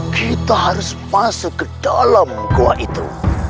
kita harus masuk ke dalam gua itu